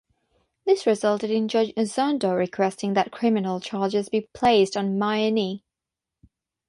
This resulted in Judge Zondo requesting that criminal charges be placed on Myeni.